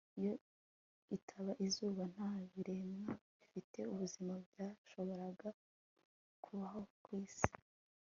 iyo itaba izuba, nta biremwa bifite ubuzima byashoboraga kubaho ku isi